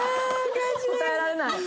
答えられない。